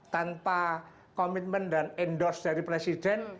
tanpa komitmen dan endorse dari presiden